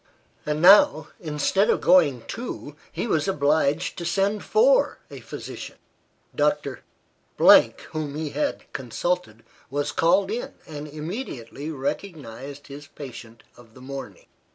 And now, instead of going to, he was obliged to send for, a physician. Doctor , whom he had consulted, was called in, and immediately recognised his patient of the morning.